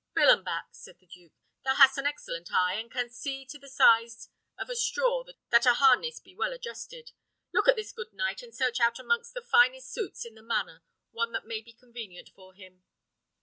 "Billenbach," said the duke, "thou hast an excellent eye, and canst see to the size of a straw that a harness be well adjusted. Look at this good knight, and search out amongst the finest suits in the manor one that may be convenient for him."